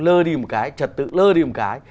lơ đi một cái trật tự lơ đi một cái